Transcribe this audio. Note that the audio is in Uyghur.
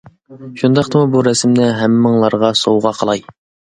شۇنداقتىمۇ بۇ رەسىمنى ھەممىڭلارغا سوۋغا قىلاي.